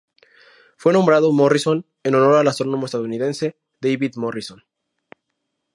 Fue nombrado Morrison en honor al astrónomo estadounidense David Morrison.